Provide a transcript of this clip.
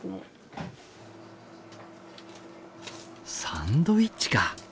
サンドイッチか。